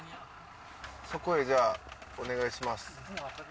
そこへじゃあお願いします。